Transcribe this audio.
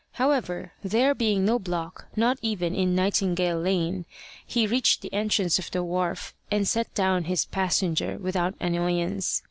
However, there being no block, not even in Nightingale Lane, he reached the entrance of the wharf, and set down his passenger without annoyance.